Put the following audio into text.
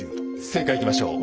正解いきましょう。